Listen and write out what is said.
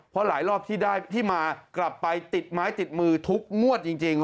เพราะหลายรอบที่ได้พี่มากลับไปติดไม้ติดมือทุกงวดจริง